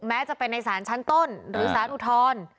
แม้จะเป็นในสารชั้นต้นหรือสารอุทธรณ์